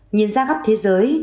nhìn ra gấp thế giới